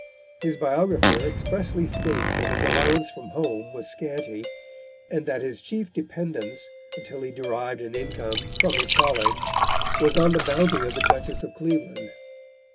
His biographer expressly states that his allowance from home was scanty, and that his chief dependence, until he derived an income from his college, was on the bounty of the Duchess of Cleveland.